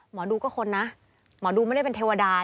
หมอดูก็คนนะหมอดูไม่ได้เป็นเทวดา